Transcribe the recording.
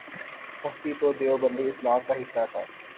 سختی تو دیوبندی اسلام کا حصہ تھا۔